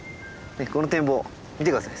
この展望見て下さい。